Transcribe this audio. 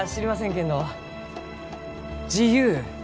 けんど「自由」